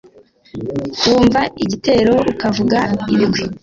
wumva igitero ukavuga ibigwi